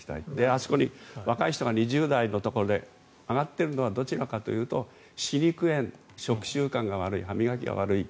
あそこ、若い人が２０代で上がっているのはどちらかというと歯肉炎、食習慣が悪い歯磨きが悪い。